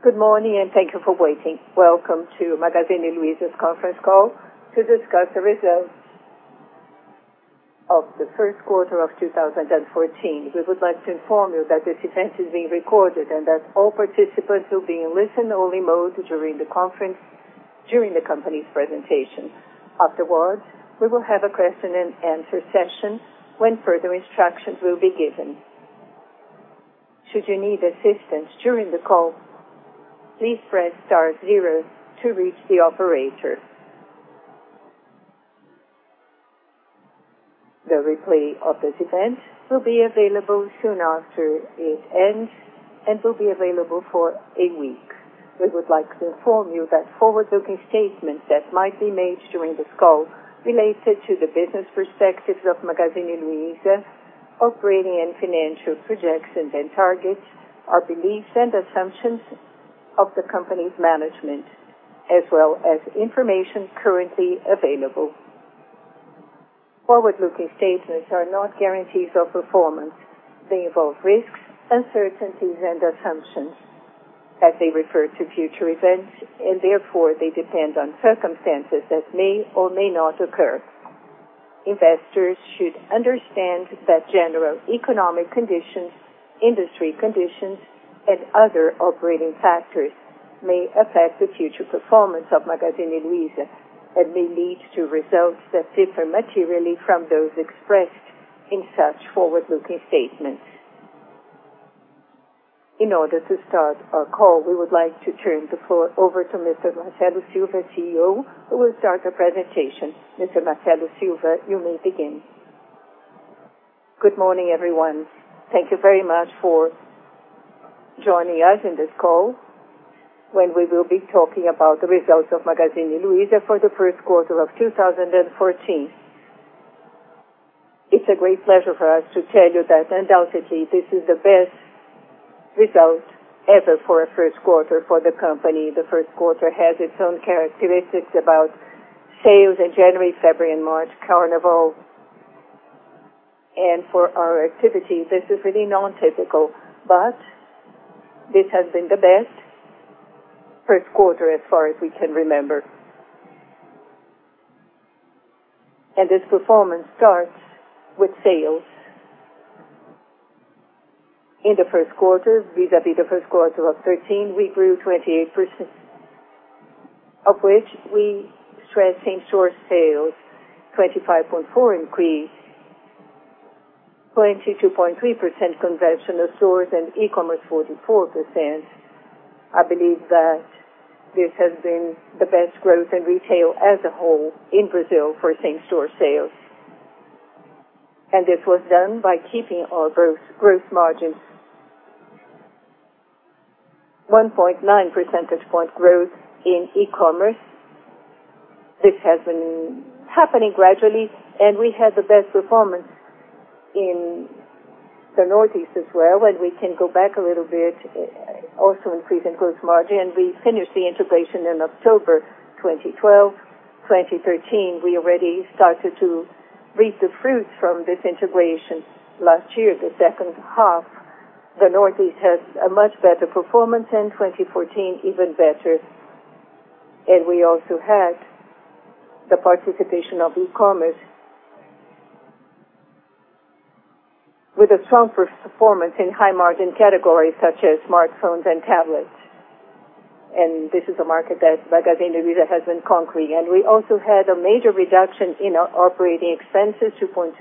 Good morning, thank you for waiting. Welcome to Magazine Luiza's conference call to discuss the results of the first quarter of 2014. We would like to inform you that this event is being recorded and that all participants will be in listen-only mode during the company's presentation. Afterwards, we will have a question and answer session when further instructions will be given. Should you need assistance during the call, please press star zero to reach the operator. The replay of this event will be available soon after it ends and will be available for a week. We would like to inform you that forward-looking statements that might be made during this call, related to the business perspectives of Magazine Luiza, operating and financial projections and targets, are beliefs and assumptions of the company's management, as well as information currently available. Forward-looking statements are not guarantees of performance. They involve risks, uncertainties, and assumptions as they refer to future events, and therefore, they depend on circumstances that may or may not occur. Investors should understand that general economic conditions, industry conditions, and other operating factors may affect the future performance of Magazine Luiza and may lead to results that differ materially from those expressed in such forward-looking statements. In order to start our call, we would like to turn the floor over to Mr. Marcelo Silva, CEO, who will start the presentation. Mr. Marcelo Silva, you may begin. Good morning, everyone. Thank you very much for joining us on this call, when we will be talking about the results of Magazine Luiza for the first quarter of 2014. It's a great pleasure for us to tell you that undoubtedly, this is the best result ever for a first quarter for the company. The first quarter has its own characteristics about sales in January, February, and March, Carnival. For our activity, this is really non-typical, but this has been the best first quarter as far as we can remember. This performance starts with sales. In the first quarter vis-à-vis the first quarter of 2013, we grew 28%, of which we stress same-store sales, 25.4% increase, 22.3% conventional stores, and e-commerce 44%. I believe that this has been the best growth in retail as a whole in Brazil for same-store sales. This was done by keeping our gross margins. 1.9 percentage point growth in e-commerce. This has been happening gradually, and we had the best performance in the Northeast as well, and we can go back a little bit, also increase in gross margin. We finished the integration in October 2012. 2013, we already started to reap the fruits from this integration. Last year, the second half, the Northeast had a much better performance. In 2014, even better. We also had the participation of e-commerce with a strong performance in high-margin categories such as smartphones and tablets. This is a market that Magazine Luiza has been conquering. We also had a major reduction in our operating expenses, 2.2%.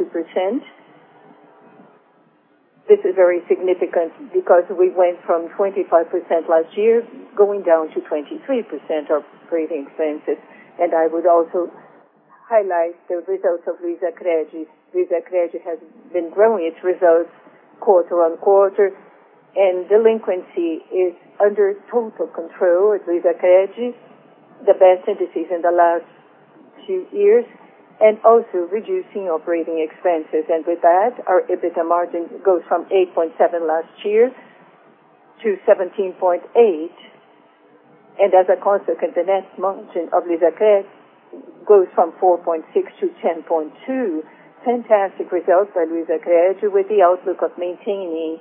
This is very significant because we went from 25% last year, going down to 23% operating expenses. I would also highlight the results of LuizaCred. LuizaCred has been growing its results quarter on quarter, and delinquency is under total control at LuizaCred, the best indices in the last two years, and also reducing operating expenses. With that, our EBITDA margin goes from 8.7% last year to 17.8%. As a consequence, the net margin of LuizaCred goes from 4.6% to 10.2%. Fantastic results by LuizaCred with the outlook of maintaining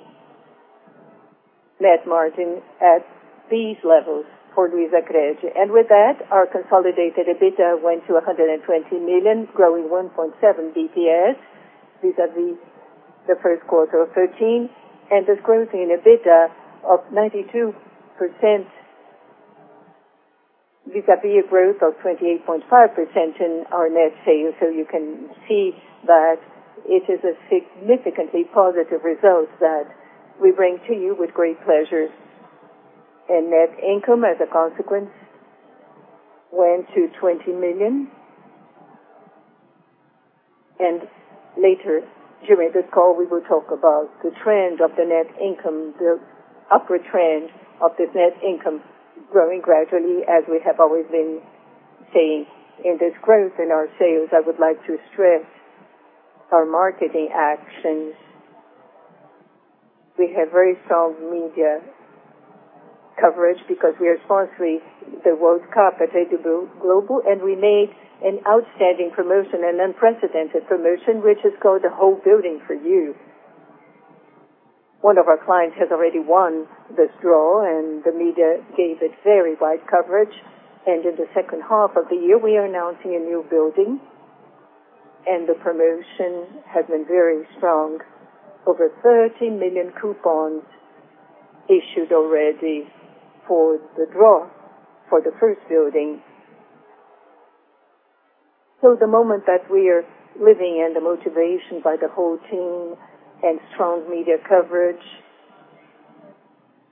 net margin at these levels for LuizaCred. With that, our consolidated EBITDA went to 120 million, growing 1.7 basis points vis-à-vis the first quarter of 2013, and this growth in EBITDA of 92%, vis-à-vis a growth of 28.5% in our net sales. You can see that it is a significantly positive result that we bring to you with great pleasure. Net income, as a consequence, went to 20 million. Later during this call, we will talk about the trend of the net income, the upward trend of this net income growing gradually as we have always been seeing. In this growth in our sales, I would like to stress our marketing actions. We have very strong media coverage because we are sponsoring the World Cup at Rede Globo, and we made an outstanding promotion, an unprecedented promotion, which is called the Whole Building for You. One of our clients has already won this draw, and the media gave it very wide coverage. In the second half of the year, we are announcing a new building, and the promotion has been very strong. Over 30 million coupons issued already for the draw for the first building. The moment that we are living and the motivation by the whole team and strong media coverage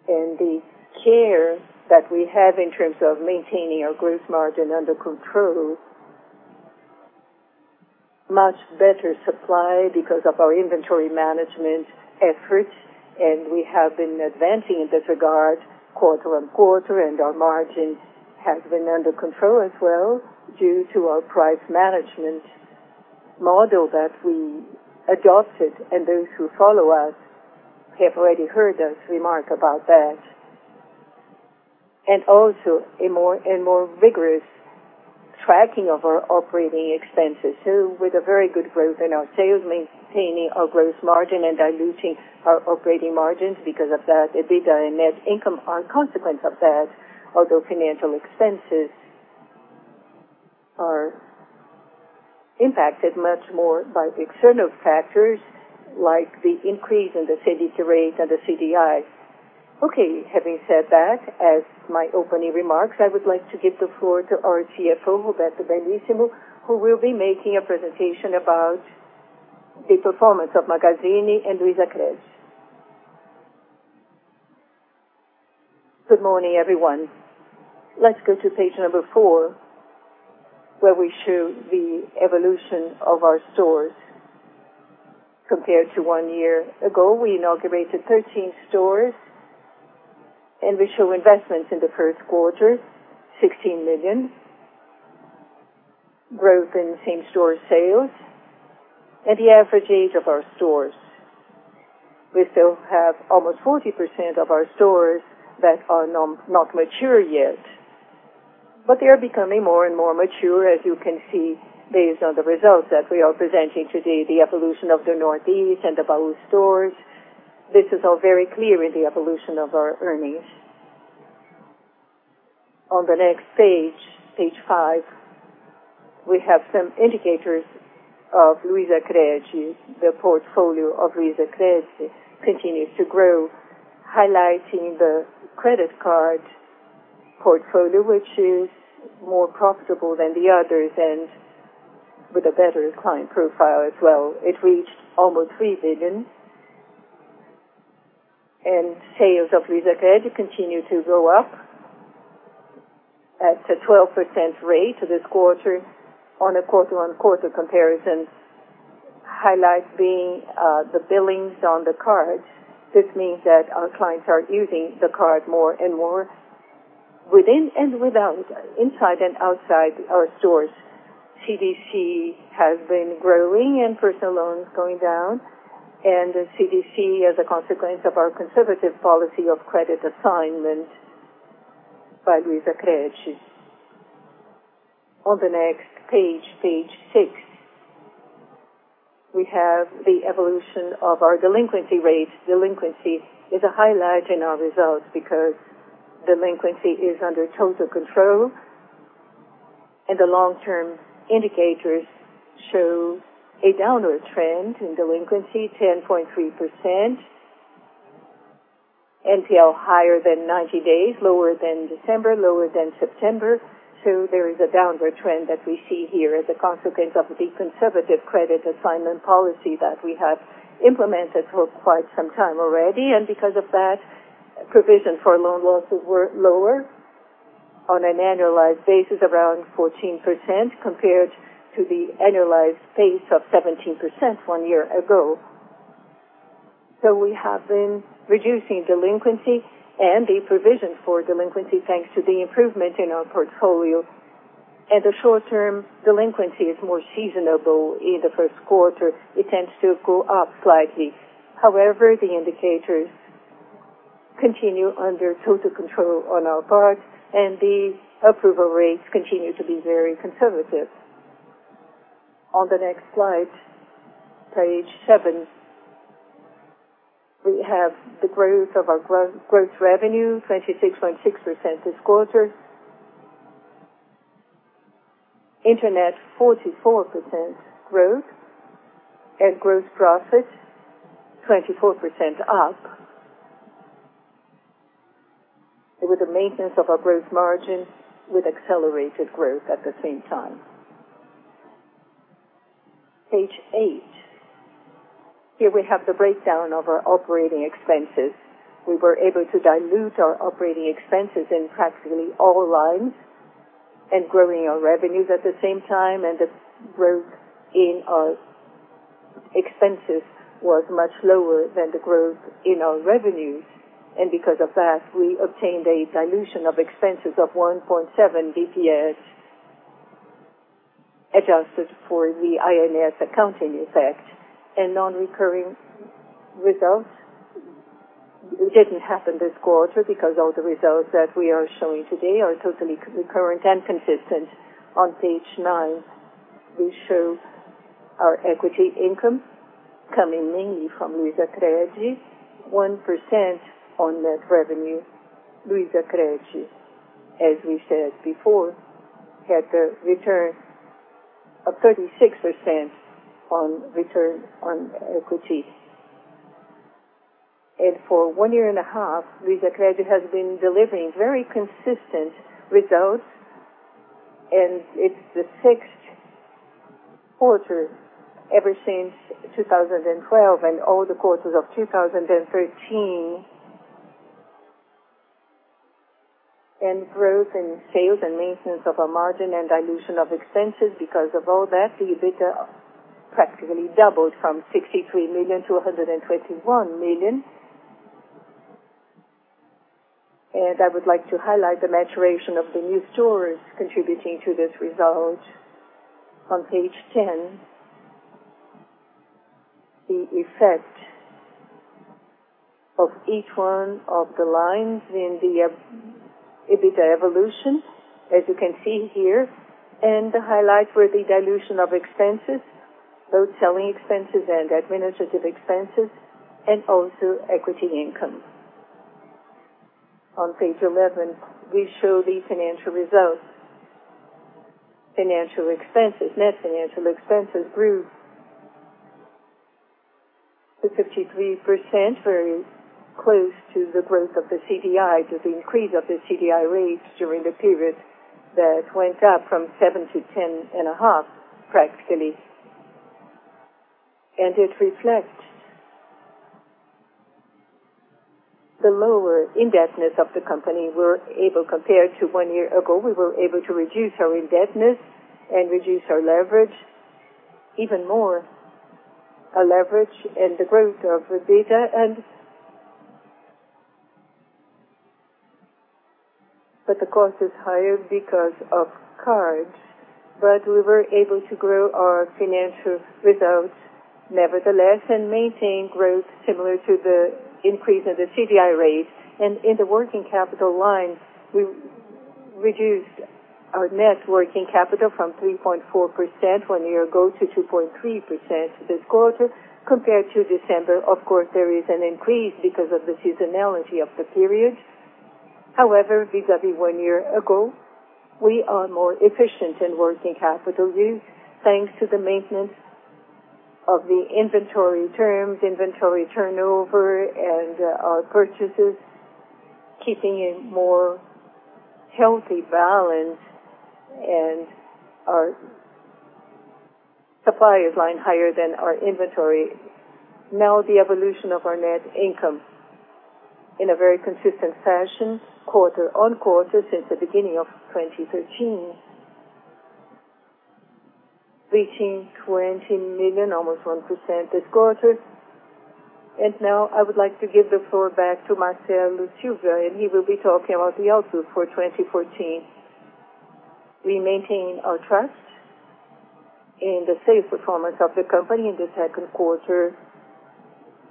and the care that we have in terms of maintaining our gross margin under control. Much better supply because of our inventory management efforts. We have been advancing in this regard quarter-on-quarter, and our margin has been under control as well due to our price management model that we adopted. Those who follow us have already heard us remark about that. Also a more and more vigorous tracking of our operating expenses. With a very good growth in our sales, maintaining our gross margin and diluting our operating margins because of that, EBITDA and net income are consequence of that. Financial expenses are impacted much more by external factors like the increase in the CDI rate and the CDI. Having said that, as my opening remarks, I would like to give the floor to our CFO, Roberto Bellissimo, who will be making a presentation about the performance of Magazine Luiza and LuizaCred. Good morning, everyone. Let's go to page number 4, where we show the evolution of our stores. Compared to one year ago, we inaugurated 13 stores and we show investments in the first quarter, 16 million. Growth in same-store sales and the average age of our stores. We still have almost 40% of our stores that are not mature yet. They are becoming more and more mature, as you can see, based on the results that we are presenting today, the evolution of the Northeast and the Baú stores. This is all very clear in the evolution of our earnings. On the next page five, we have some indicators of LuizaCred. The portfolio of LuizaCred continues to grow, highlighting the credit card portfolio, which is more profitable than the others and with a better client profile as well. It reached almost 3 billion. Sales of LuizaCred continue to go up at a 12% rate this quarter on a quarter-on-quarter comparison. Highlight being the billings on the card. This means that our clients are using the card more and more within and without, inside and outside our stores. CDC has been growing and personal loans going down, and the CDC as a consequence of our conservative policy of credit assignment by LuizaCred. On the next page six, we have the evolution of our delinquency rates. Delinquency is a highlight in our results because delinquency is under total control, and the long-term indicators show a downward trend in delinquency, 10.3%. NPL higher than 90 days, lower than December, lower than September. So there is a downward trend that we see here as a consequence of the conservative credit assignment policy that we have implemented for quite some time already. Because of that, provision for loan losses were lower on an annualized basis, around 14%, compared to the annualized pace of 17% one year ago. So we have been reducing delinquency and the provision for delinquency, thanks to the improvement in our portfolio. The short-term delinquency is more seasonable in the first quarter. It tends to go up slightly. However, the indicators continue under total control on our part, and the approval rates continue to be very conservative. On the next slide, page seven, we have the growth of our gross revenue, 26.6% this quarter. Internet, 44% growth and gross profit, 24% up. It was a maintenance of our growth margin with accelerated growth at the same time. Page eight. Here we have the breakdown of our operating expenses. We were able to dilute our operating expenses in practically all lines and growing our revenues at the same time, and the growth in our expenses was much lower than the growth in our revenues. Because of that, we obtained a dilution of expenses of 1.7 bps, adjusted for the INSS accounting effect and non-recurring results. It didn't happen this quarter because all the results that we are showing today are totally recurrent and consistent. On page nine, we show our equity income coming mainly from LuizaCred, 1% on net revenue. LuizaCred, as we said before, had a return of 36% on return on equity. For one year and a half, LuizaCred has been delivering very consistent results, and it's the sixth quarter ever since 2012 and all the quarters of 2013. Growth in sales and maintenance of our margin and dilution of expenses. Because of all that, the EBITDA practically doubled from 63 million to 121 million. I would like to highlight the maturation of the new stores contributing to this result. On page 10, the effect of each one of the lines in the EBITDA evolution, as you can see here. The highlight for the dilution of expenses, both selling expenses and administrative expenses, and also equity income. On page 11, we show the financial results. Net financial expenses grew to 53%, very close to the growth of the CDI, to the increase of the CDI rates during the period that went up from 7 to 10.5, practically. It reflects the lower indebtedness of the company. Compared to one year ago, we were able to reduce our indebtedness and reduce our leverage even more. The cost is higher because of cards. We were able to grow our financial results nevertheless and maintain growth similar to the increase in the CDI rate. In the working capital line, we reduced our net working capital from 3.4% one year ago to 2.3% this quarter. Compared to December, of course, there is an increase because of the seasonality of the period. However, vis-à-vis one year ago, we are more efficient in working capital use, thanks to the maintenance of the inventory terms, inventory turnover, and our purchases keeping a more healthy balance, and our suppliers lying higher than our inventory. Now the evolution of our net income. In a very consistent fashion, quarter-on-quarter since the beginning of 2013, reaching 20 million, almost 1% this quarter. Now I would like to give the floor back to Marcelo Silva, he will be talking about the outlook for 2014. We maintain our trust in the sales performance of the company. In the second quarter,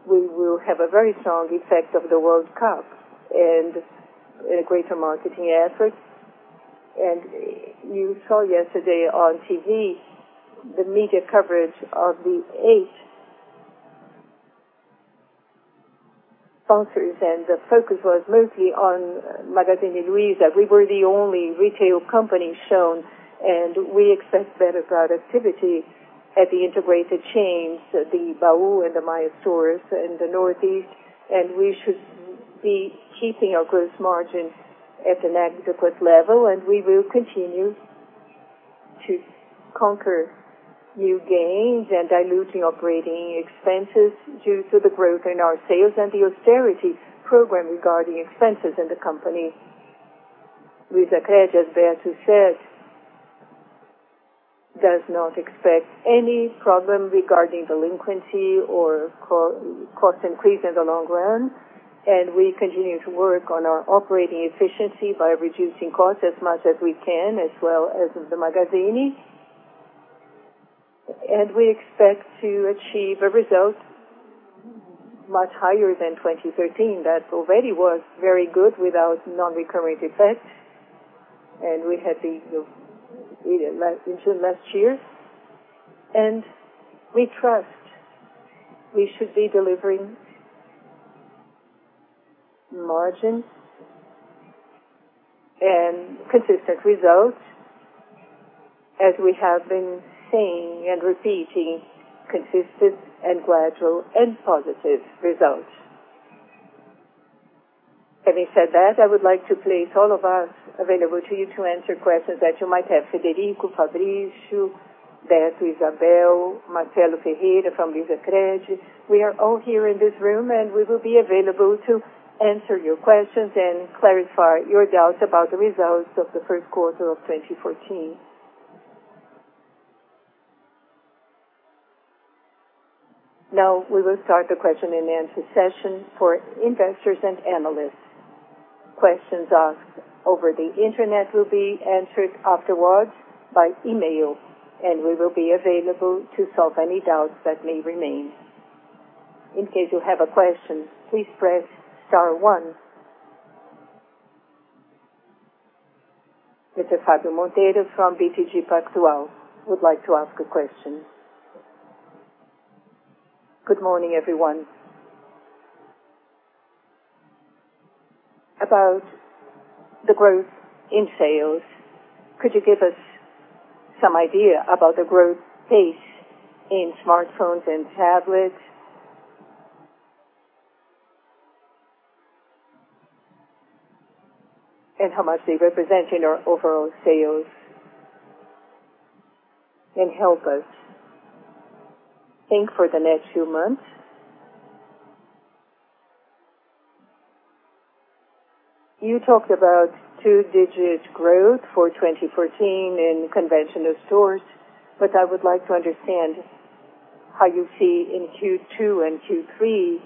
we will have a very strong effect of the World Cup and a greater marketing effort. You saw yesterday on TV the media coverage of the 8 sponsors, the focus was mostly on Magazine Luiza. We were the only retail company shown, we expect better productivity at the integrated chains, the Baú and the Maia stores in the Northeast, we should be keeping our gross margin at an adequate level, we will continue to conquer new gains and diluting operating expenses due to the growth in our sales and the austerity program regarding expenses in the company. LuizaCred, as Beto said, does not expect any problem regarding delinquency or cost increase in the long run, we continue to work on our operating efficiency by reducing costs as much as we can, as well as the Magazine. We expect to achieve a result much higher than 2013. That already was very good without non-recurring effects. We had the Eagle in June last year. We trust we should be delivering margins and consistent results as we have been saying and repeating, consistent and gradual and positive results. Having said that, I would like to place all of us available to you to answer questions that you might have. Frederico, Fabrício, Beto, Isabel, Marcelo Ferreira from LuizaCred. We are all here in this room, we will be available to answer your questions and clarify your doubts about the results of the first quarter of 2014. Now we will start the question and answer session for investors and analysts. Questions asked over the internet will be answered afterwards by email, we will be available to solve any doubts that may remain. In case you have a question, please press star 1. Mr. Fabio Monteiro from BTG Pactual would like to ask a question. Good morning, everyone. About the growth in sales, could you give us some idea about the growth pace in smartphones and tablets? How much they represent in our overall sales, help us think for the next few months? You talked about 2-digit growth for 2014 in conventional stores, but I would like to understand how you see in Q2 and Q3,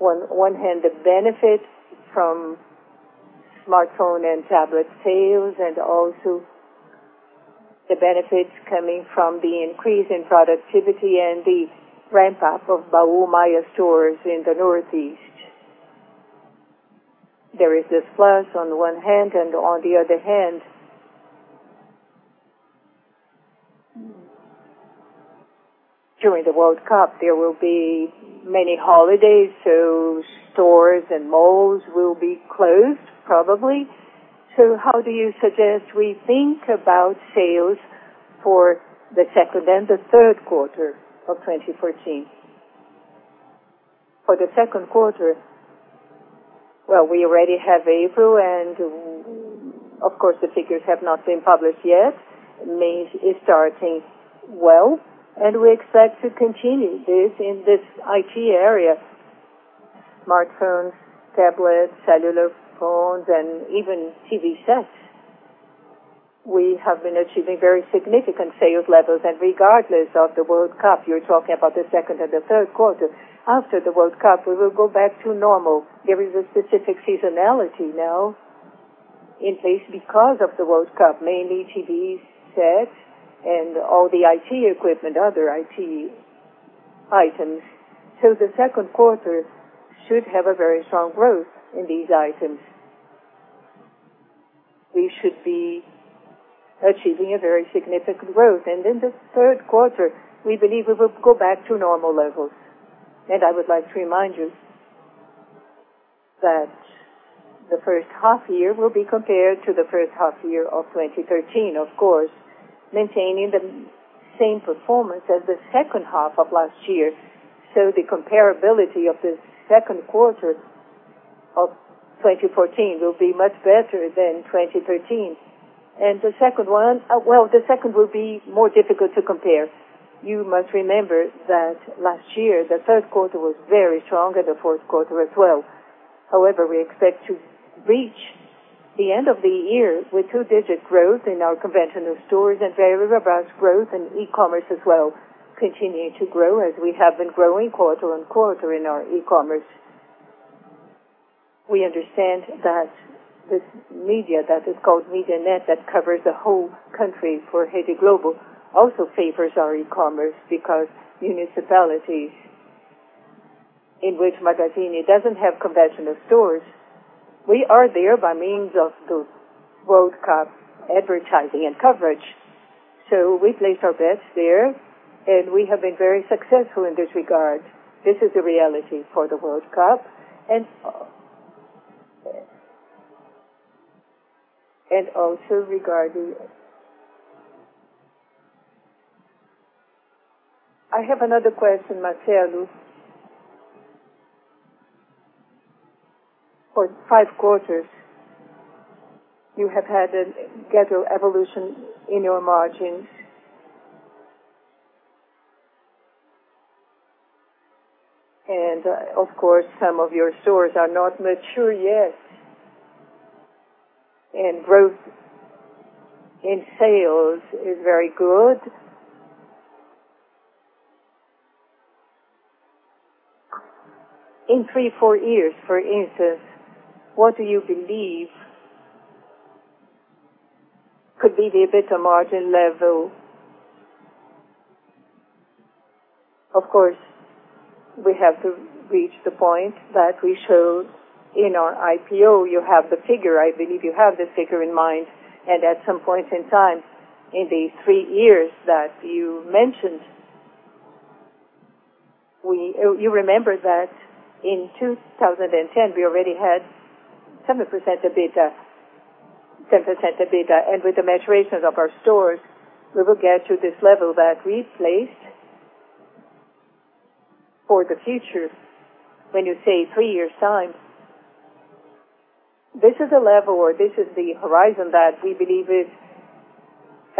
on one hand, the benefits from smartphone and tablet sales, and also the benefits coming from the increase in productivity and the ramp-up of Baú Maia stores in the Northeast. There is this plus on the one hand, and on the other hand, during the World Cup, there will be many holidays, so stores and malls will be closed probably. How do you suggest we think about sales for the second and the third quarter of 2014? For the second quarter, well, we already have April and, of course, the figures have not been published yet. May is starting well, and we expect to continue this in this IT area, smartphones, tablets, cellular phones, and even TV sets. We have been achieving very significant sales levels, and regardless of the World Cup, you're talking about the second and the third quarter. After the World Cup, we will go back to normal. There is a specific seasonality now in place because of the World Cup, mainly TV sets and all the IT equipment, other IT items. The second quarter should have a very strong growth in these items. We should be achieving a very significant growth. In the third quarter, we believe we will go back to normal levels. I would like to remind you that the first half-year will be compared to the first half-year of 2013, of course, maintaining the same performance as the second half of last year. The comparability of the second quarter of 2014 will be much better than 2013. The second will be more difficult to compare. You must remember that last year, the third quarter was very strong and the fourth quarter as well. However, we expect to reach the end of the year with 2-digit growth in our conventional stores and very robust growth in e-commerce as well, continuing to grow as we have been growing quarter-on-quarter in our e-commerce. We understand that this media that is called MediaNet, that covers the whole country for Rede Globo, also favors our e-commerce because municipalities in which Magazine doesn't have conventional stores, we are there by means of the World Cup advertising and coverage. We place our bets there, and we have been very successful in this regard. This is the reality for the World Cup. Also regarding, I have another question, Marcelo. For 5 quarters, you have had a gradual evolution in your margins. Of course, some of your stores are not mature yet, and growth in sales is very good. In 3, 4 years, for instance, what do you believe could be the EBITDA margin level? Of course, we have to reach the point that we showed in our IPO. You have the figure, I believe you have the figure in mind. At some point in time in the 3 years that you mentioned, you remember that in 2010, we already had 7% EBITDA, 10% EBITDA, and with the maturation of our stores, we will get to this level that we placed for the future. When you say 3 years' time, this is a level or this is the horizon that we believe is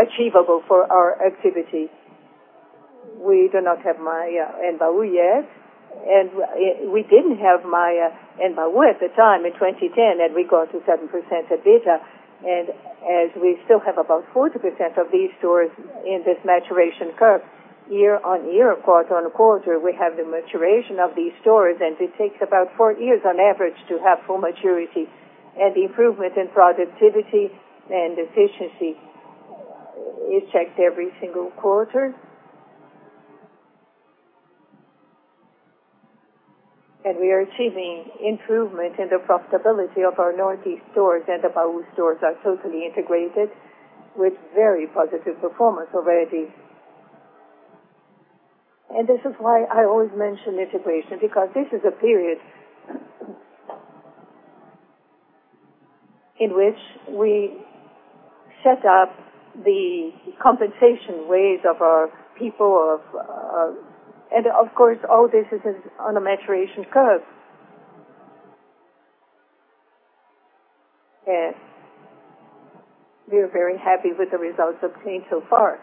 achievable for our activity. We do not have Maia and Baú yet, we did not have Maia and Baú at the time in 2010, and we got to 7% EBITDA. As we still have about 40% of these stores in this maturation curve year-on-year, quarter-on-quarter, we have the maturation of these stores, and it takes about 4 years on average to have full maturity. The improvement in productivity and efficiency is checked every single quarter. We are achieving improvement in the profitability of our Northeast stores, and the Baú stores are totally integrated with very positive performance already. This is why I always mention integration, because this is a period in which we set up the compensation ways of our people. Of course, all this is on a maturation curve. We are very happy with the results obtained so far.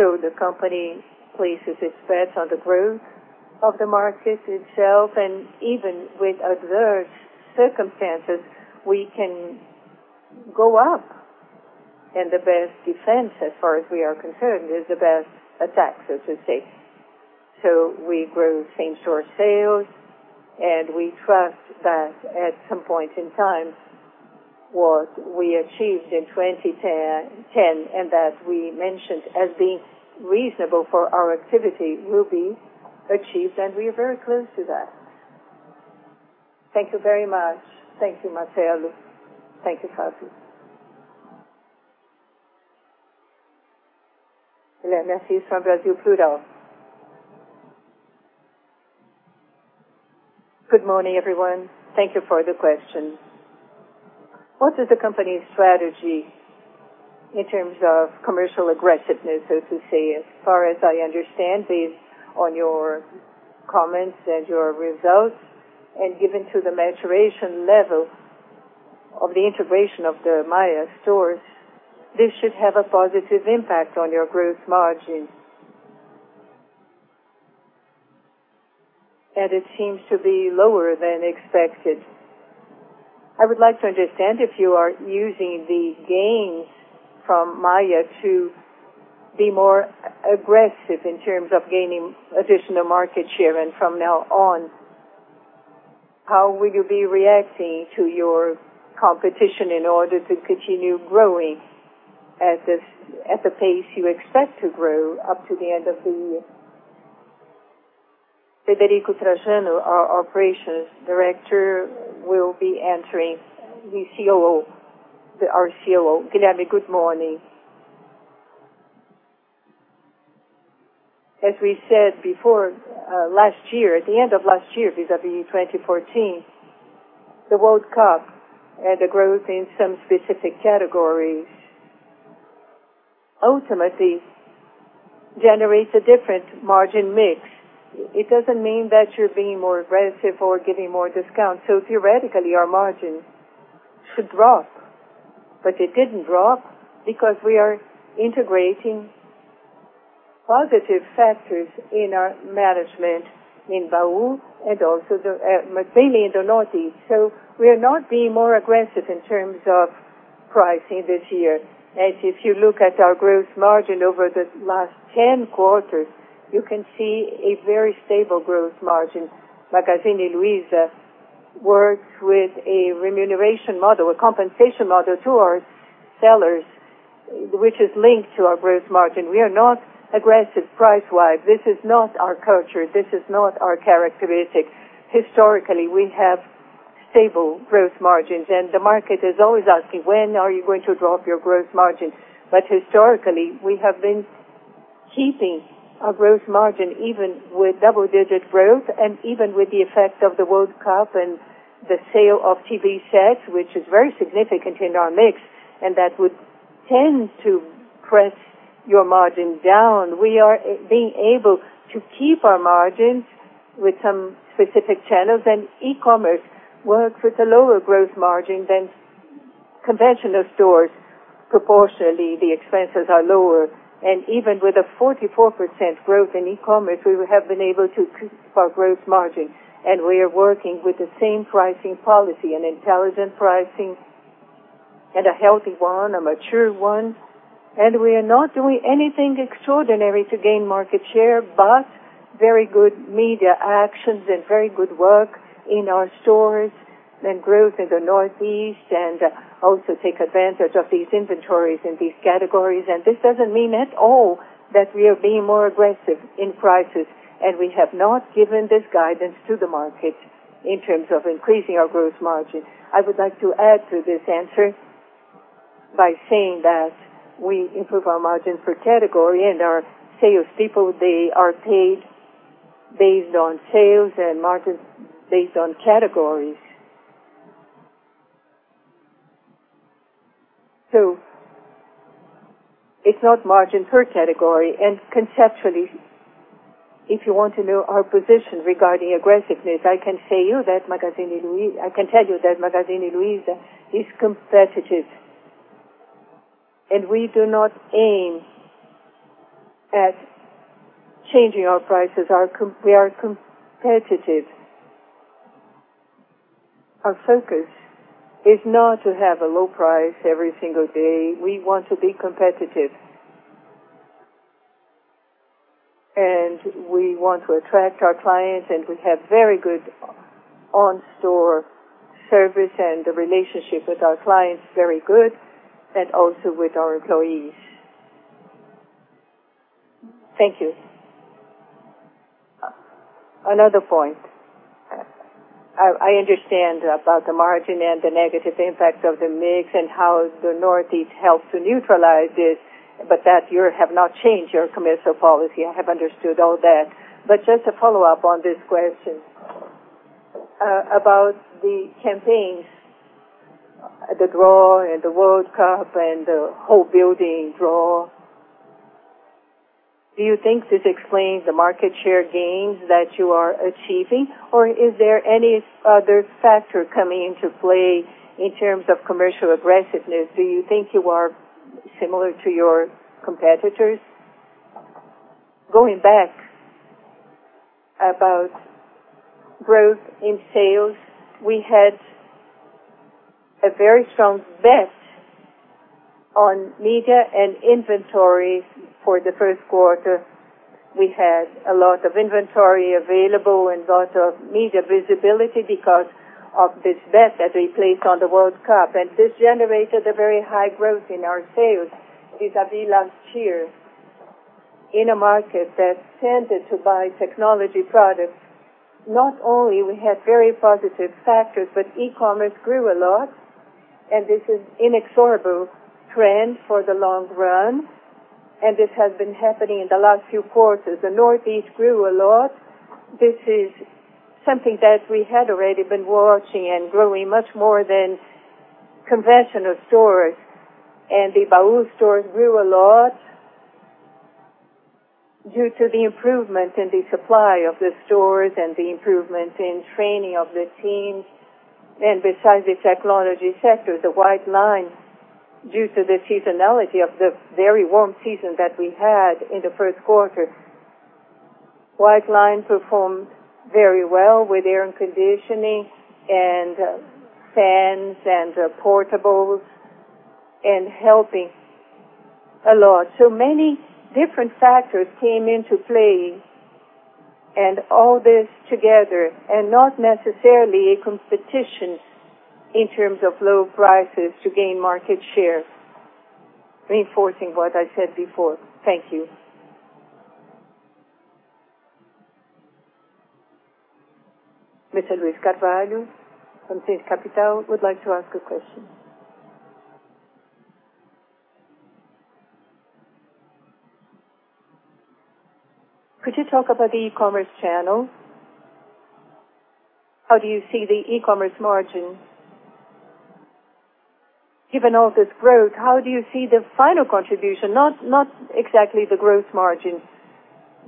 The company places its bets on the growth of the market itself, and even with adverse circumstances, we can go up. The best defense, as far as we are concerned, is the best attack, so to say. We grow same-store sales, and we trust that at some point in time, what we achieved in 2010, and that we mentioned as being reasonable for our activity, will be achieved, and we are very close to that. Thank you very much. Thank you, Marcelo. Thank you, Fabio. Guilherme, this is from Brasil Plural. Good morning, everyone. Thank you for the questions. What is the company's strategy in terms of commercial aggressiveness, so to say? As far as I understand, based on your comments and your results, and given to the maturation level of the integration of the Maia stores, this should have a positive impact on your gross margins. It seems to be lower than expected. I would like to understand if you are using the gains from Maia to be more aggressive in terms of gaining additional market share. From now on, how will you be reacting to your competition in order to continue growing at the pace you expect to grow up to the end of the year? Frederico Trajano, our Operations Director, will be answering. The COO, our COO. Guilherme, good morning. As we said before, last year, at the end of last year, vis-à-vis 2014, the World Cup had a growth in some specific categories. Ultimately, generates a different margin mix. It does not mean that you are being more aggressive or giving more discounts. Theoretically, our margin should drop. But it did not drop because we are integrating positive factors in our management in Baú and also mainly in the Northeast. We are not being more aggressive in terms of pricing this year. If you look at our gross margin over the last 10 quarters, you can see a very stable gross margin. Magazine Luiza works with a remuneration model, a compensation model to our sellers, which is linked to our gross margin. We are not aggressive price-wise. This is not our culture. This is not our characteristic. Historically, we have stable gross margins, and the market is always asking, "When are you going to drop your gross margin?" But historically, we have been keeping our gross margin, even with double-digit growth and even with the effect of the World Cup and the sale of TV sets, which is very significant in our mix, and that would tend to press your margin down. We are being able to keep our margins with some specific channels. E-commerce works with a lower growth margin than conventional stores. Proportionally, the expenses are lower. Even with a 44% growth in e-commerce, we have been able to keep our growth margin. We are working with the same pricing policy, an intelligent pricing, and a healthy one, a mature one. We are not doing anything extraordinary to gain market share, but very good media actions and very good work in our stores and growth in the Northeast and also take advantage of these inventories in these categories. This doesn't mean at all that we are being more aggressive in prices, and we have not given this guidance to the market in terms of increasing our growth margin. I would like to add to this answer by saying that we improve our margin per category and our salespeople, they are paid based on sales and margins based on categories. It's not margin per category. Conceptually, if you want to know our position regarding aggressiveness, I can tell you that Magazine Luiza is competitive. We do not aim at changing our prices. We are competitive. Our focus is not to have a low price every single day. We want to be competitive. We want to attract our clients, and we have very good on-store service and the relationship with our clients, very good, and also with our employees. Thank you. Another point. I understand about the margin and the negative impact of the mix and how the Northeast helps to neutralize it, but that you have not changed your commercial policy. I have understood all that. Just to follow up on this question, about the campaigns, the draw, and the World Cup, and the whole building draw. Do you think this explains the market share gains that you are achieving, or are there any other factors coming into play in terms of commercial aggressiveness? Do you think you are similar to your competitors? Going back about growth in sales, we had a very strong bet on media and inventory for the first quarter. We had a lot of inventory available and a lot of media visibility because of this bet that we placed on the World Cup. This generated a very high growth in our sales vis-a-vis last year. In a market that tended to buy technology products, not only we had very positive factors, but e-commerce grew a lot, and this is inexorable trend for the long run, and this has been happening in the last few quarters. The Northeast grew a lot. This is something that we had already been watching and growing much more than conventional stores. The Baú stores grew a lot due to the improvement in the supply of the stores and the improvement in training of the teams. Besides the technology sector, the white line, due to the seasonality of the very warm season that we had in the first quarter. White line performed very well with air conditioning and fans and portables, and helping a lot. Many different factors came into play, all this together, not necessarily a competition in terms of low prices to gain market share. Reinforcing what I said before. Thank you. Luis Carvalho from Finch Capital would like to ask a question. Could you talk about the e-commerce channel? How do you see the e-commerce margin? Given all this growth, how do you see the final contribution, not exactly the growth margin,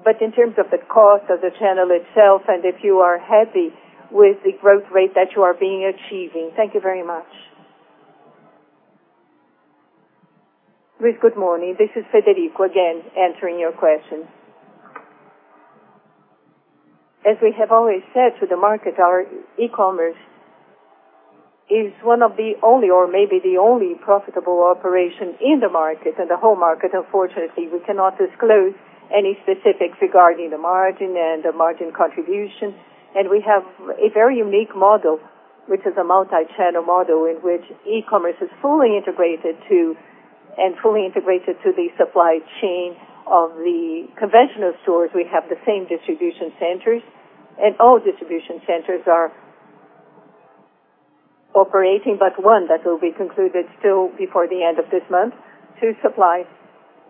but in terms of the cost of the channel itself, and if you are happy with the growth rate that you are achieving. Thank you very much. Luis, good morning. This is Frederico again, answering your question. As we have always said to the market, our e-commerce is one of the only, or maybe the only profitable operation in the market and the whole market. Unfortunately, we cannot disclose any specifics regarding the margin and the margin contribution. We have a very unique model, which is a multi-channel model, in which e-commerce is fully integrated to the supply chain of the conventional stores. We have the same distribution centers, and all distribution centers are operating but one that will be concluded still before the end of this month to supply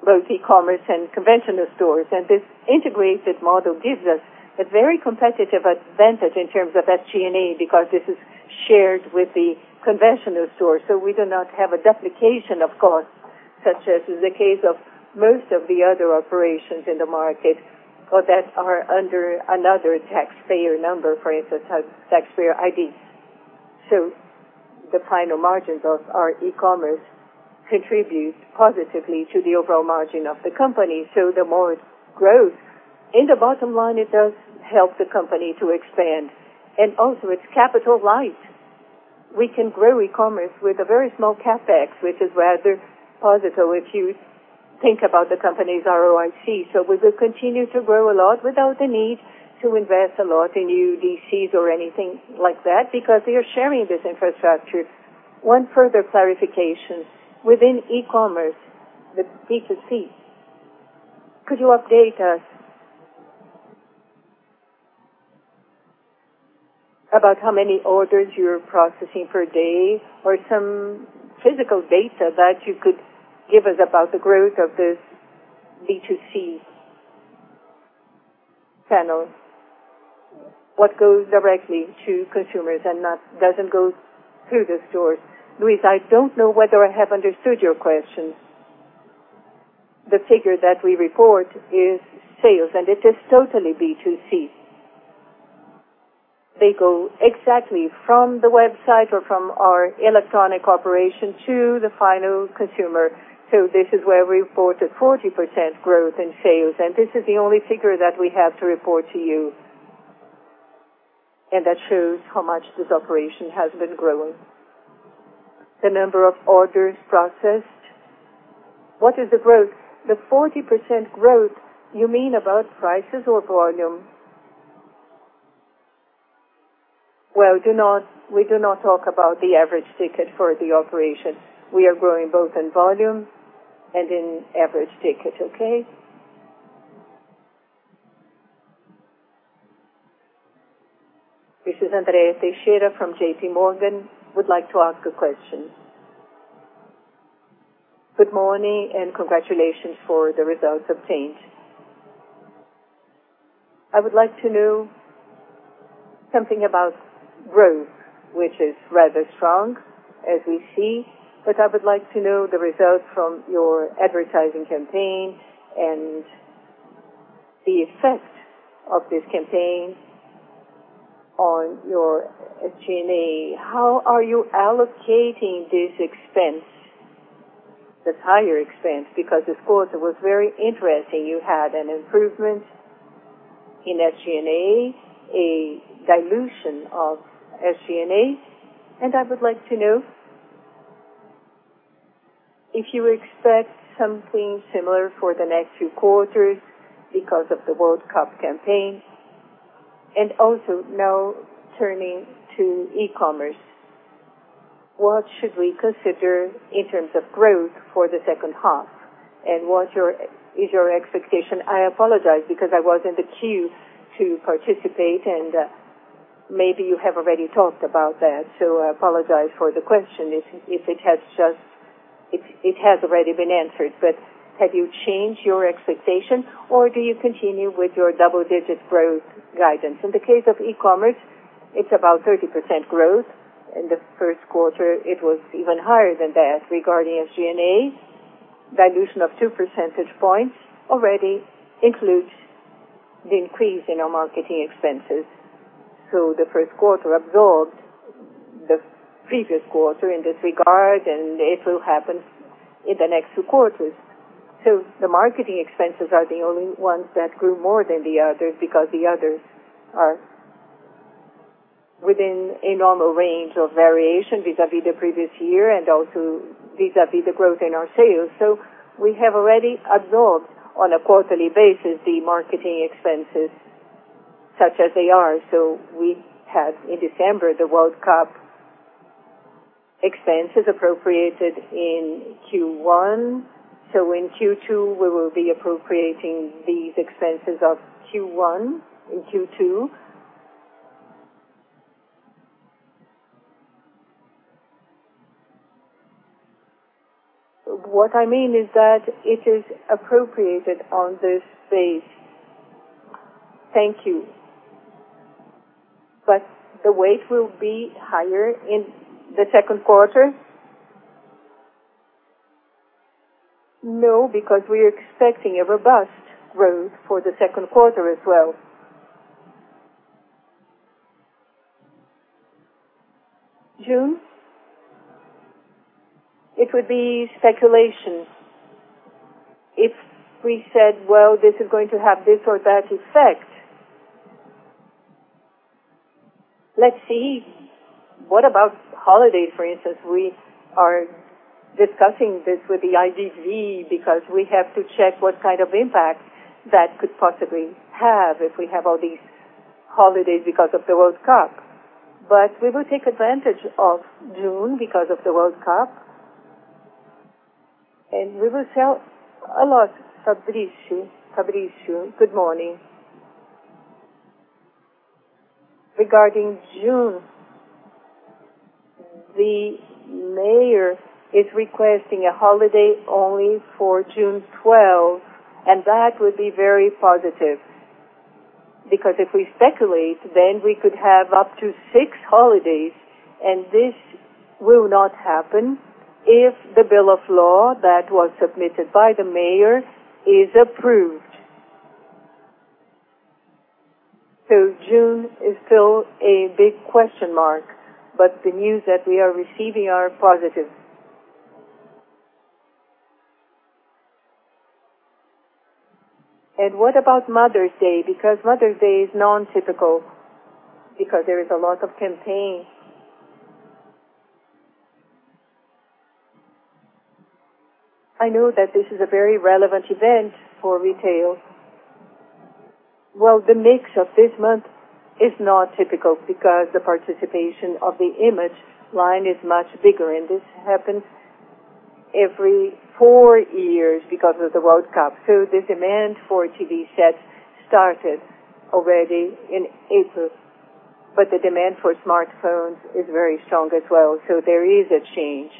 both e-commerce and conventional stores. This integrated model gives us a very competitive advantage in terms of SG&A because this is shared with the conventional stores. We do not have a duplication of cost, such as is the case of most of the other operations in the market or that are under another taxpayer number, for instance, taxpayer IDs. The final margins of our e-commerce contribute positively to the overall margin of the company. The more it grows in the bottom line, it does help the company to expand. Also it's capital light. We can grow e-commerce with a very small CapEx, which is rather positive if you think about the company's ROIC. We will continue to grow a lot without the need to invest a lot in new DCs or anything like that because we are sharing this infrastructure. One further clarification. Within e-commerce, the B2C, could you update us about how many orders you're processing per day or some physical data that you could give us about the growth of this B2C channel? What goes directly to consumers and doesn't go through the stores. Luis, I don't know whether I have understood your question. The figure that we report is sales, and it is totally B2C. They go exactly from the website or from our electronic operation to the final consumer. This is where we reported 40% growth in sales, and this is the only figure that we have to report to you. That shows how much this operation has been growing. The number of orders processed. What is the growth? The 40% growth, you mean about prices or volume? Well, we do not talk about the average ticket for the operation. We are growing both in volume and in average ticket, okay? This is Andrea Teixeira from J.P. Morgan. Would like to ask a question. Good morning, and congratulations for the results obtained. I would like to know something about growth, which is rather strong as we see, but I would like to know the results from your advertising campaign and the effect of this campaign on your SG&A. How are you allocating this expense, the higher expense? This quarter was very interesting. You had an improvement in SG&A, a dilution of SG&A. I would like to know if you expect something similar for the next two quarters because of the World Cup campaign, also now turning to e-commerce. What should we consider in terms of growth for the second half? What is your expectation? I apologize because I was in the queue to participate. Maybe you have already talked about that. I apologize for the question if it has already been answered. Have you changed your expectation, or do you continue with your double-digit growth guidance? In the case of e-commerce, it's about 30% growth. In the first quarter, it was even higher than that. Regarding SG&A, dilution of two percentage points already includes the increase in our marketing expenses. The first quarter absorbed the previous quarter in this regard. It will happen in the next two quarters. The marketing expenses are the only ones that grew more than the others because the others are within a normal range of variation vis-à-vis the previous year, also vis-à-vis the growth in our sales. We have already absorbed on a quarterly basis the marketing expenses such as they are. We had in December the World Cup expenses appropriated in Q1. In Q2, we will be appropriating these expenses of Q1 and Q2. What I mean is that it is appropriated on this phase. Thank you. The weight will be higher in the second quarter? No, because we are expecting a robust growth for the second quarter as well. June? It would be speculation. If we said, "This is going to have this or that effect." Let's see, what about holiday, for instance? We are discussing this with the IDV because we have to check what kind of impact that could possibly have if we have all these holidays because of the World Cup. We will take advantage of June because of the World Cup. We will sell a lot. Fabrício. Fabrício, good morning. Regarding June, the mayor is requesting a holiday only for June 12. That would be very positive because if we speculate, we could have up to six holidays. This will not happen if the bill of law that was submitted by the mayor is approved. June is still a big question mark. The news that we are receiving are positive. What about Mother's Day? Mother's Day is non-typical because there is a lot of campaign. I know that this is a very relevant event for retail. The mix of this month is not typical because the participation of the image line is much bigger. This happens every four years because of the World Cup. The demand for TV sets started already in April. The demand for smartphones is very strong as well. There is a change.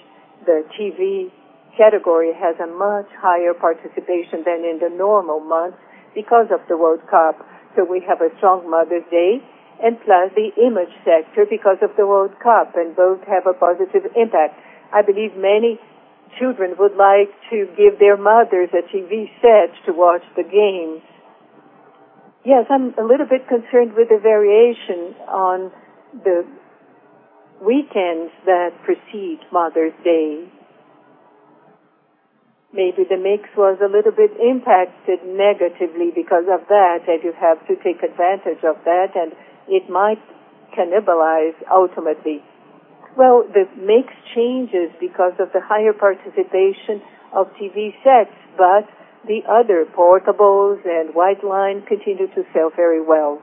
The TV category has a much higher participation than in the normal months because of the World Cup. We have a strong Mother's Day plus the image sector because of the World Cup. Both have a positive impact. I believe many children would like to give their mothers a TV set to watch the games. Yes, I am a little bit concerned with the variation on the weekends that precede Mother's Day. Maybe the mix was a little bit impacted negatively because of that, and you have to take advantage of that, and it might cannibalize ultimately. Well, the mix changes because of the higher participation of TV sets, but the other portables and white line continue to sell very well.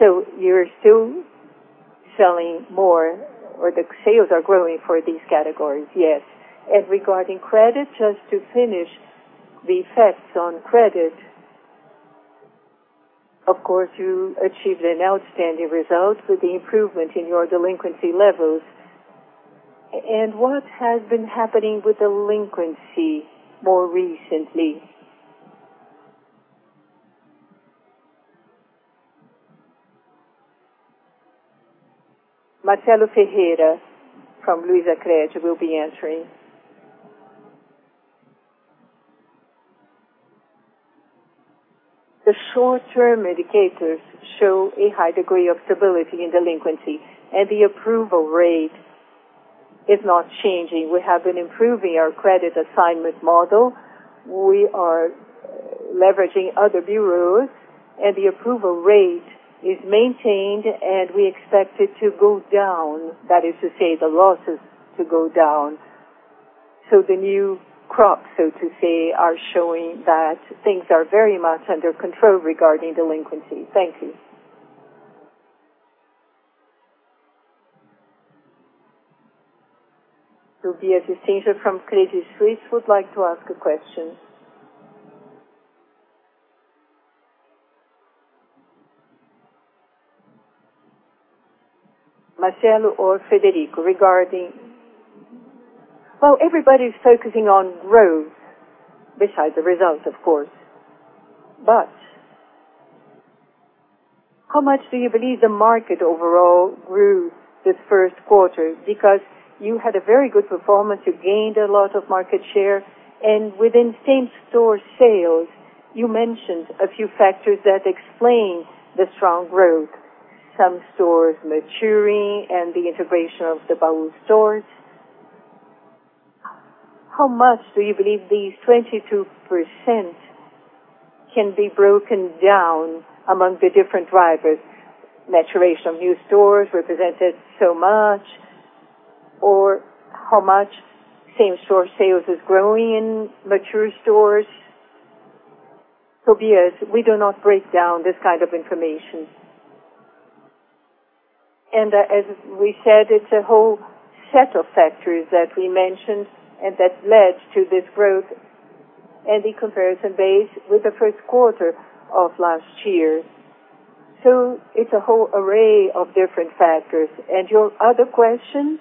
You are still selling more, or the sales are growing for these categories? Yes. Regarding credit, just to finish the effects on credit. Of course, you achieved an outstanding result with the improvement in your delinquency levels. What has been happening with delinquency more recently? Marcelo Silva from LuizaCred will be answering. The short-term indicators show a high degree of stability in delinquency, and the approval rate is not changing. We have been improving our credit assignment model. We are leveraging other bureaus, and the approval rate is maintained, and we expect it to go down. That is to say, the losses to go down. The new crop, so to say, are showing that things are very much under control regarding delinquency. Thank you. Tobias Dissinger from Credit Suisse would like to ask a question. Marcelo or Frederico, everybody is focusing on growth besides the results, of course. How much do you believe the market overall grew this first quarter? Because you had a very good performance, you gained a lot of market share, and within same-store sales, you mentioned a few factors that explain the strong growth, some stores maturing and the integration of the Baú stores. How much do you believe these 22% can be broken down among the different drivers? Maturation of new stores represented so much, or how much same-store sales is growing in mature stores? Tobias, we do not break down this kind of information. As we said, it is a whole set of factors that we mentioned and that led to this growth and the comparison base with the first quarter of last year. It is a whole array of different factors. Your other question?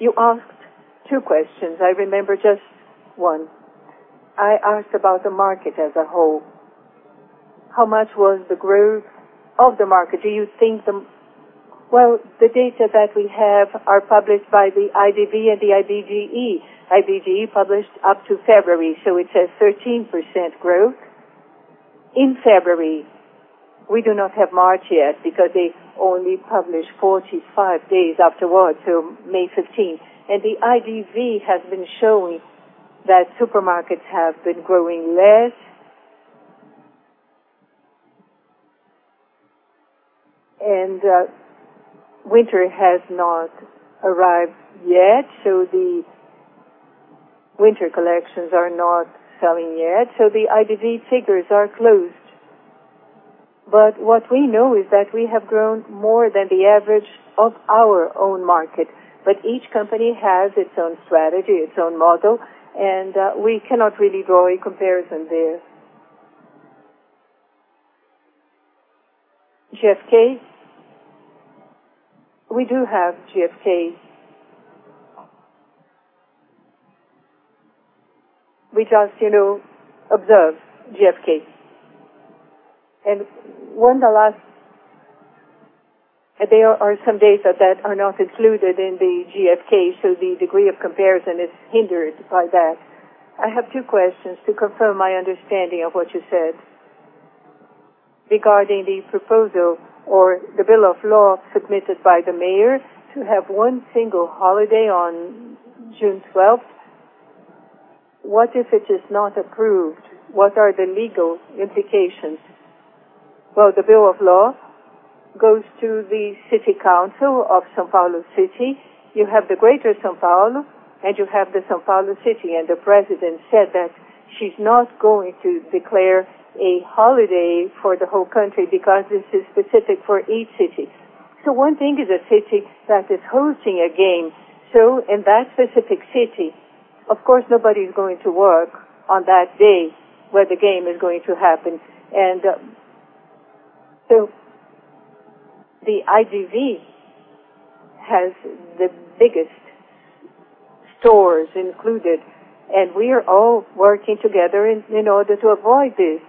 You asked two questions. I remember just one. I asked about the market as a whole. How much was the growth of the market? Do you think? The data that we have are published by the IDV and the IBGE. IBGE published up to February, so it says 13% growth in February. We do not have March yet because they only publish 45 days afterwards, so May 15th. The IDV has been showing that supermarkets have been growing less. Winter has not arrived yet, so the winter collections are not selling yet. The IDV figures are closed. What we know is that we have grown more than the average of our own market. Each company has its own strategy, its own model, and we cannot really draw a comparison there. GfK? We do have GfK. We just observe GfK. When there are some data that are not included in the GfK, so the degree of comparison is hindered by that. I have two questions to confirm my understanding of what you said. Regarding the proposal or the bill of law submitted by the mayor to have one single holiday on June 12th. What if it is not approved? What are the legal implications? Well, the bill of law goes to the City Council of São Paulo City. You have the Greater São Paulo, and you have the São Paulo City. The president said that she's not going to declare a holiday for the whole country because this is specific for each city. One thing is a city that is hosting a game. In that specific city, of course, nobody's going to work on that day where the game is going to happen. The IDV has the biggest stores included, and we are all working together in order to avoid this.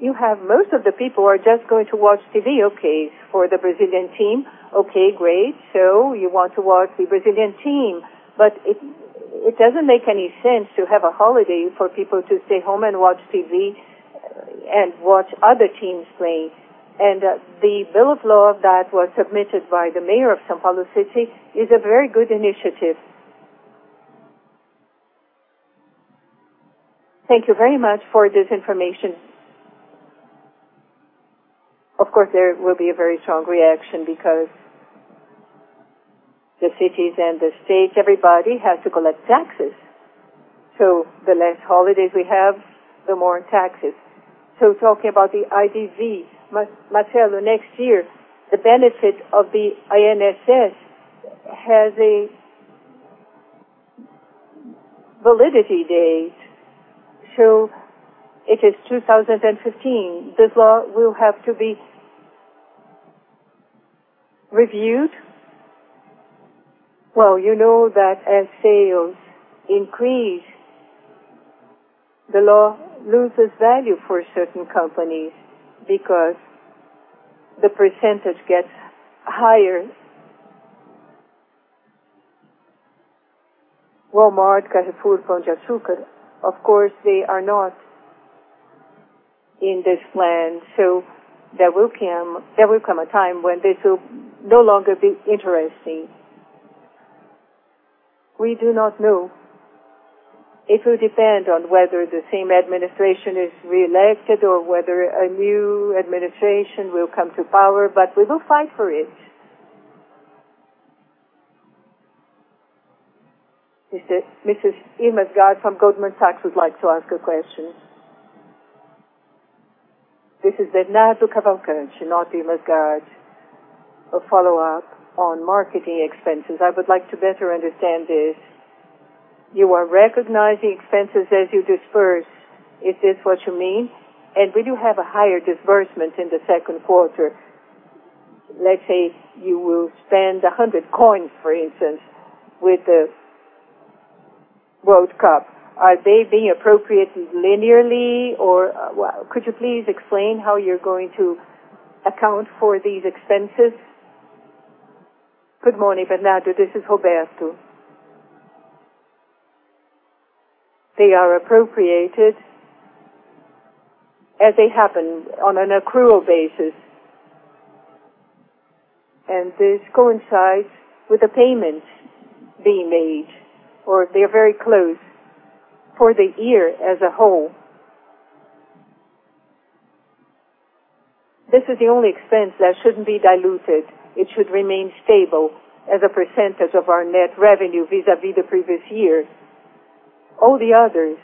You have most of the people who are just going to watch TV, okay. For the Brazilian team, okay, great. You want to watch the Brazilian team, but it doesn't make any sense to have a holiday for people to stay home and watch TV And watch other teams play. The bill of law that was submitted by the mayor of São Paulo City is a very good initiative. Thank you very much for this information. Of course, there will be a very strong reaction because the cities and the state, everybody has to collect taxes. The less holidays we have, the more taxes. Talking about the IDV, Marcelo, next year, the benefit of the INSS has a validity date. It is 2015. This law will have to be reviewed. Well, you know that as sales increase, the law loses value for certain companies because the percentage gets higher. Walmart, Carrefour, Pão de Açúcar, of course, they are not in this plan. There will come a time when this will no longer be interesting. We do not know. It will depend on whether the same administration is reelected or whether a new administration will come to power, but we will fight for it. Mrs. Irma Sgarz from Goldman Sachs would like to ask a question. This is Bernardo Cavalcanti, not Irma Sgarz. A follow-up on marketing expenses. I would like to better understand this. You are recognizing expenses as you disperse. Is this what you mean? Will you have a higher disbursement in the second quarter? Let's say you will spend 100 coins, for instance, with the World Cup. Are they being appropriated linearly, or could you please explain how you're going to account for these expenses? Good morning, Bernardo. This is Roberto. They are appropriated as they happen on an accrual basis. This coincides with the payments being made, or they're very close for the year as a whole. This is the only expense that shouldn't be diluted. It should remain stable as a percentage of our net revenue vis-à-vis the previous year. All the others,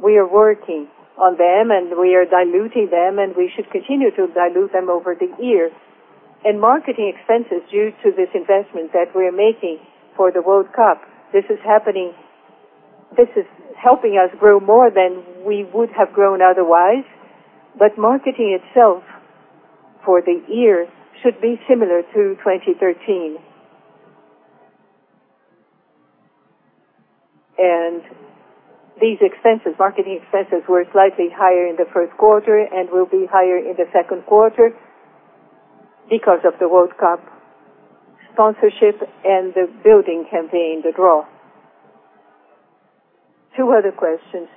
we are working on them, and we are diluting them, and we should continue to dilute them over the year. Marketing expenses due to this investment that we're making for the World Cup, this is helping us grow more than we would have grown otherwise. Marketing itself for the year should be similar to 2013. These marketing expenses were slightly higher in the first quarter and will be higher in the second quarter because of the World Cup sponsorship and the building campaign, the draw. Two other questions.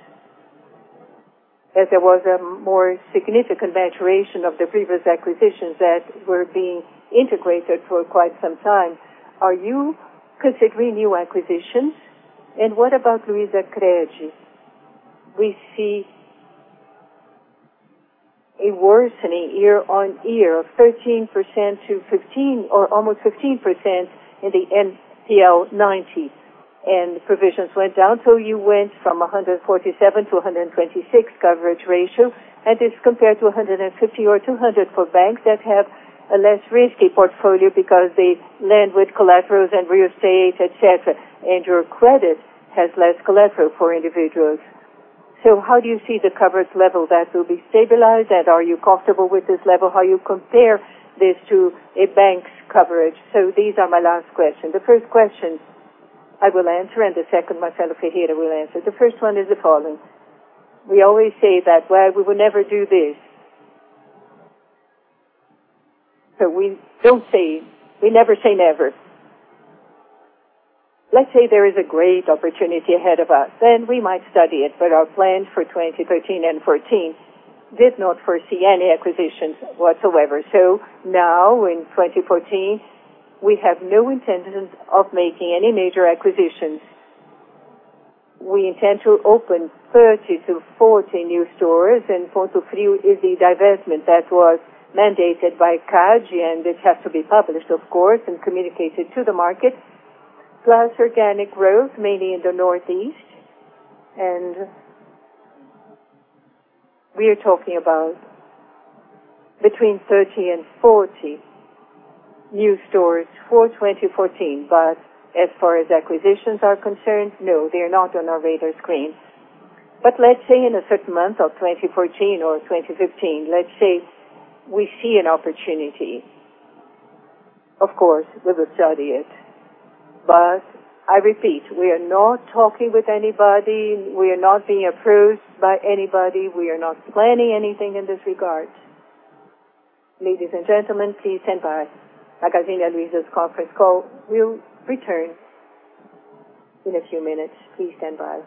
As there was a more significant maturation of the previous acquisitions that were being integrated for quite some time, are you considering new acquisitions? What about LuizaCred? We see a worsening year-on-year of 13%-15% in the NPL90, and provisions went down. You went from 147%-126% coverage ratio, and this is compared to 150% or 200% for banks that have a less risky portfolio because they lend with collaterals and real estate, et cetera, and your credit has less collateral for individuals. How do you see the coverage level that will be stabilized, and are you comfortable with this level? How you compare this to a bank's coverage? These are my last questions. The first question I will answer, and the second Marcelo Ferreira will answer. The first one is the following. We always say that, we would never do this. We never say never. Let's say there is a great opportunity ahead of us, then we might study it, but our plan for 2013 and 2014 did not foresee any acquisitions whatsoever. Now in 2014, we have no intention of making any major acquisitions. We intend to open 30-40 new stores, and Ponto Frio is the divestment that was mandated by CADE, and this has to be published, of course, and communicated to the market. Plus organic growth, mainly in the Northeast. We are talking about between 30-40 new stores for 2014. As far as acquisitions are concerned, no, they are not on our radar screen. Let's say in a certain month of 2014 or 2015, let's say we see an opportunity. Of course, we will study it. I repeat, we are not talking with anybody. We are not being approached by anybody. We are not planning anything in this regard. Ladies and gentlemen, please stand by. Magazine Luiza's conference call will return in a few minutes. Please stand by.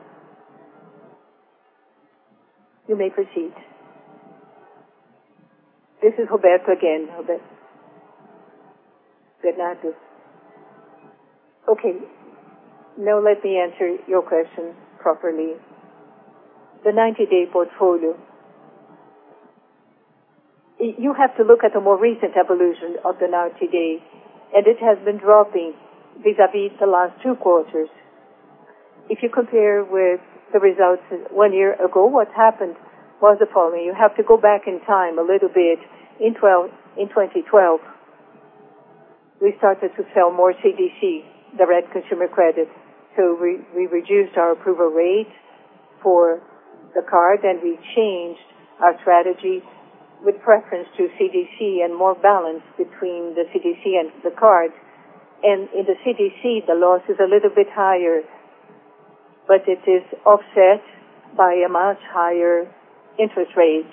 You may proceed. This is Roberto again. Roberto. Good morning. Okay, now let me answer your question properly. The 90-day portfolio. You have to look at the more recent evolution of the 90-day, and it has been dropping vis-à-vis the last two quarters. If you compare with the results one year ago, what happened was the following. You have to go back in time a little bit. In 2012, we started to sell more CDC, the direct consumer credit. We reduced our approval rate for the card, and we changed our strategy with preference to CDC and more balance between the CDC and the card. In the CDC, the loss is a little bit higher, but it is offset by a much higher interest rate.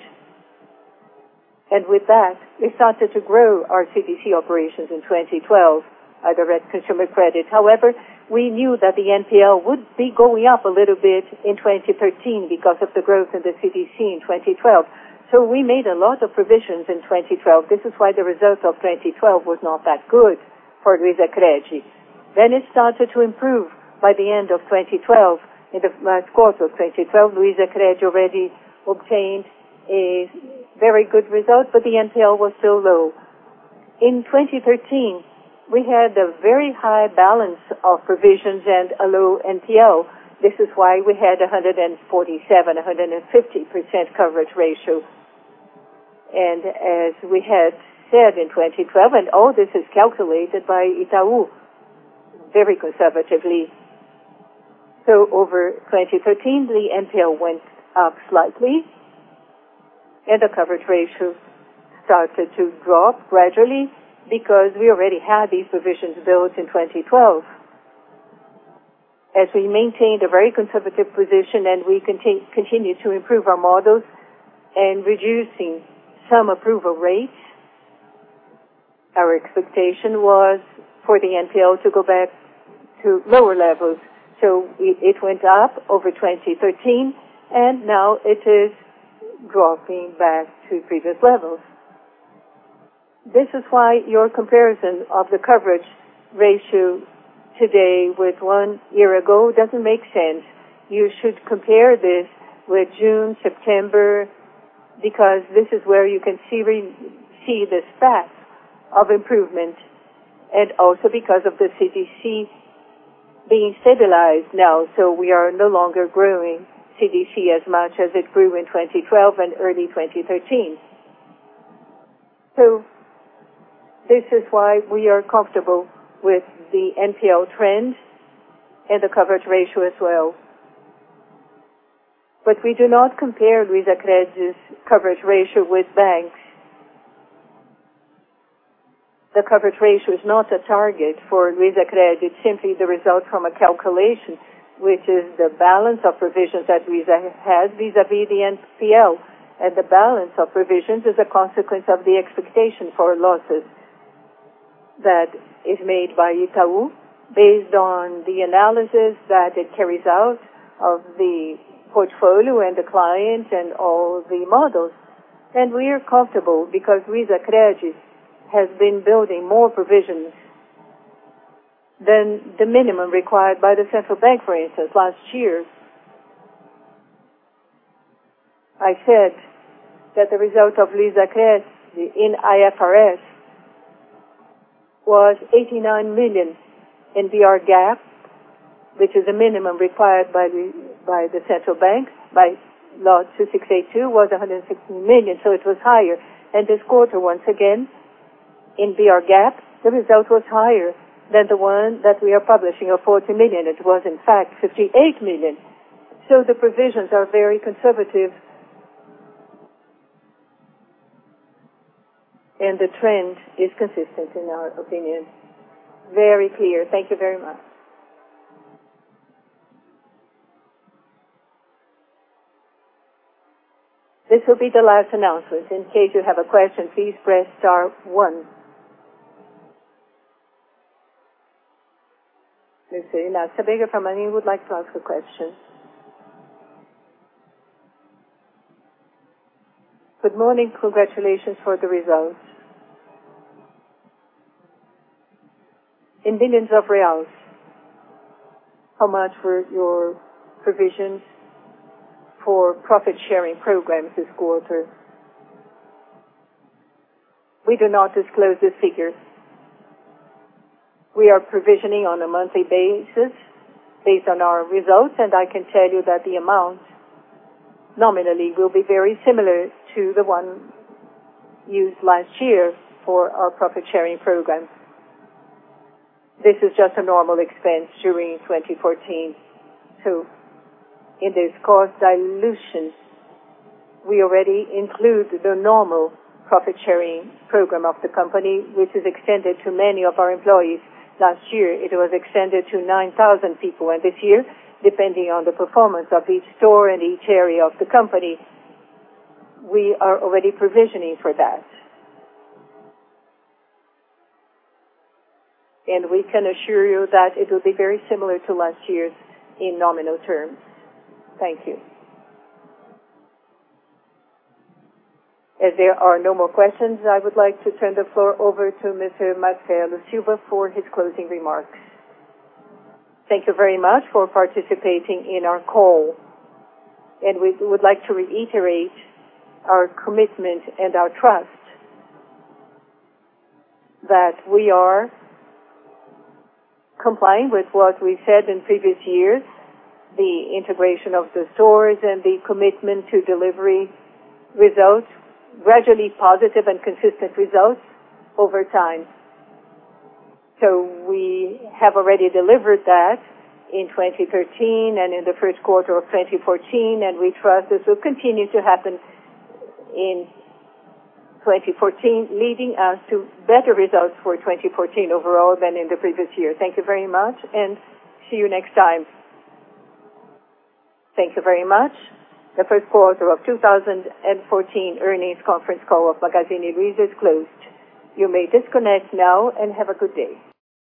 With that, we started to grow our CDC operations in 2012, direct consumer credit. We knew that the NPL would be going up a little bit in 2013 because of the growth in the CDC in 2012. We made a lot of provisions in 2012. This is why the result of 2012 was not that good for LuizaCred. It started to improve by the end of 2012. In the last quarter of 2012, LuizaCred already obtained a very good result, but the NPL was still low. In 2013, we had a very high balance of provisions and a low NPL. This is why we had 147%-150% coverage ratio. As we had said in 2012, and all this is calculated by Itaú very conservatively. Over 2013, the NPL went up slightly and the coverage ratio started to drop gradually because we already had these provisions built in 2012. As we maintained a very conservative position and we continued to improve our models and reducing some approval rates, our expectation was for the NPL to go back to lower levels. It went up over 2013, and now it is dropping back to previous levels. This is why your comparison of the coverage ratio today with one year ago doesn't make sense. You should compare this with June, September, because this is where you can see the stack of improvement and also because of the CDC being stabilized now, we are no longer growing CDC as much as it grew in 2012 and early 2013. This is why we are comfortable with the NPL trends and the coverage ratio as well. We do not compare LuizaCred's coverage ratio with banks. The coverage ratio is not a target for LuizaCred. It's simply the result from a calculation, which is the balance of provisions that Luiza has vis-a-vis the NPL. The balance of provisions is a consequence of the expectation for losses that is made by Itaú based on the analysis that it carries out of the portfolio and the client and all the models. We are comfortable because LuizaCred has been building more provisions than the minimum required by the Central Bank, for instance. Last year, I said that the result of LuizaCred in IFRS was 89 million in BR GAAP, which is a minimum required by the Central Bank. By law 2682, it was 116 million, so it was higher. This quarter, once again, in BR GAAP, the result was higher than the one that we are publishing of 40 million. It was in fact 58 million. The provisions are very conservative, and the trend is consistent in our opinion. Very clear. Thank you very much. This will be the last announcement. In case you have a question, please press star one. Monsieur Natasha Bigger from "And you would like to ask a question?" Good morning. Congratulations for the results. In millions of reals, how much were your provisions for profit-sharing programs this quarter? We do not disclose the figures. We are provisioning on a monthly basis based on our results, and I can tell you that the amount nominally will be very similar to the one used last year for our profit-sharing program. This is just a normal expense during 2014. In this cost dilution, we already include the normal profit-sharing program of the company, which is extended to many of our employees. Last year, it was extended to 9,000 people, and this year, depending on the performance of each store and each area of the company, we are already provisioning for that. We can assure you that it will be very similar to last year's in nominal terms. Thank you. As there are no more questions, I would like to turn the floor over to Mr. Marcelo Silva for his closing remarks. Thank you very much for participating in our call. We would like to reiterate our commitment and our trust that we are complying with what we said in previous years, the integration of the stores and the commitment to delivering results, gradually positive and consistent results over time. We have already delivered that in 2013 and in the first quarter of 2014, and we trust this will continue to happen in 2014, leading us to better results for 2014 overall than in the previous year. Thank you very much and see you next time. Thank you very much. The first quarter of 2014 earnings conference call of Magazine Luiza is closed. You may disconnect now and have a good day.